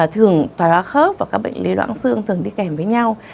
thường thoái hóa khớp và các bệnh lý đoạn sương thường đi kèm với nhau